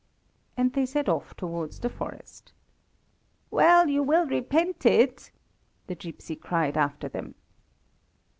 And they set off towards the forest. "Well, you will repent it," the gipsy cried after them.